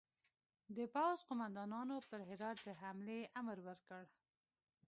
د پوځ قوماندانانو پر هرات د حملې امر ورکړ.